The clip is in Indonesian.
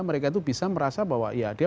mereka itu bisa merasa bahwa ya dia